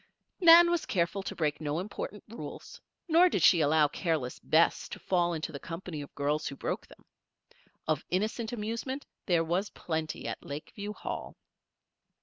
Nan was careful to break no important rules, nor did she allow careless Bess to fall into the company of girls who broke them. Of innocent amusement there was plenty at Lakeview Hall.